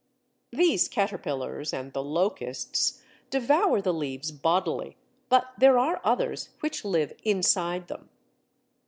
These caterpillars and the locusts devour the leaves bodily, but there are others which live inside them.